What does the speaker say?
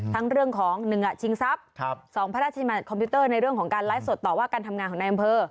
ทั้งเรื่องของ๑ชิงทรัพย์๒พระราชมัติคอมพิวเตอร์ในเรื่องของการไลฟ์สดต่อว่าการทำงานของนายอำเภอ